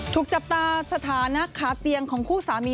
ถูกจับตาสถานะขาเตียงของคู่สามี